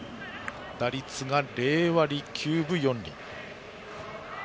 打率が０割９分４厘。